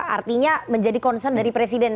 artinya menjadi concern dari presiden